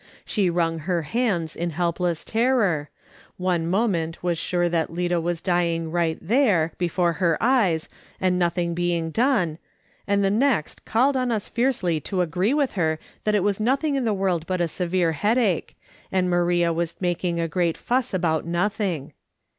She wrung her hands in helpless terror ; one moment was sure that Lida was dying, inght there, hefore her eyes, and nothing being done ; and the. next called on us fiercely to agree with her that it was nothing in the world but a severe headache, and Maria was making a great fuss about nothing.